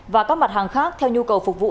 và các mặt hàng khác theo nhu cầu phục vụ